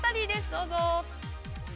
どうぞ。